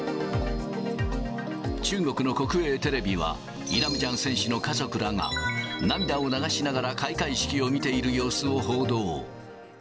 中国の国営テレビは、イラムジャン選手の家族らが、涙を流しながら開会式を見ている様子を報道。